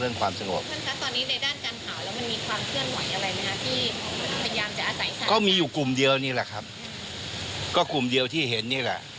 คุณจะไม่ลุกลาไปในที่ข้างของคุณ